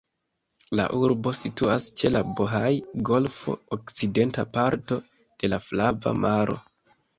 La urbo situas ĉe la Bohaj-golfo, okcidenta parto de la Flava Maro.